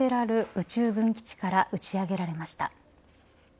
宇宙軍基地から打ち上げられました。